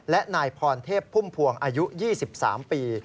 และนายพรเทพพุ่มพวงอายุ๒๓ปี